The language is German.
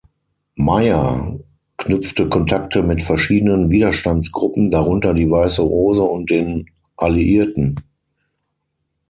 Mair knüpfte Kontakte mit verschiedenen Widerstandsgruppen, darunter die Weiße Rose, und den Alliierten.